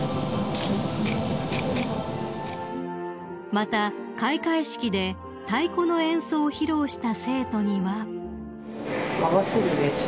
［また開会式で太鼓の演奏を披露した生徒には］